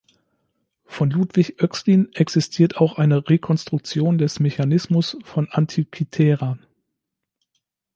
Von Ludwig Oechslin existiert auch eine Rekonstruktion des Mechanismus von Antikythera.